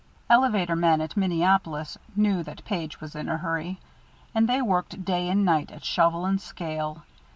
Elevator men at Minneapolis knew that Page was in a hurry, and they worked day and night at shovel and scale.